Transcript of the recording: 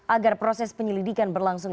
agar proses penyelidikan berlangsung